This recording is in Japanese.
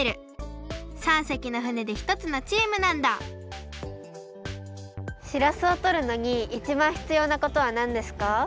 ３せきの船でひとつのチームなんだしらすをとるのにいちばんひつようなことはなんですか？